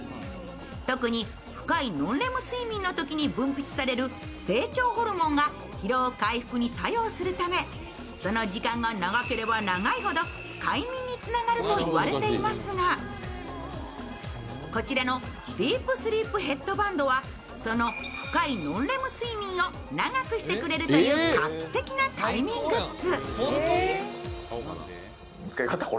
特に深いノンレム睡眠のときに分泌される成長ホルモンが疲労回復に作用するためその時間が長ければ長いほど快眠につながるといわれていますがこちらのディープスリープ・ヘッドバンドはその深いノンレム睡眠を長くしてくれるという画期的な快眠グッズ。